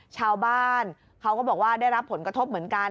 ชาวบ้านเขาก็บอกว่าได้รับผลกระทบเหมือนกัน